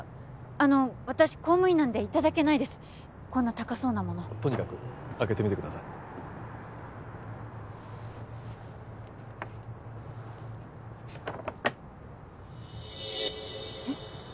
あの私公務員なんでいただけないですこんな高そうなものとにかく開けてみてくださいえっ？